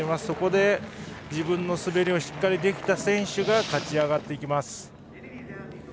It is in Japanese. そこで、自分の滑りをしっかりできた選手が勝ち上がっていきます。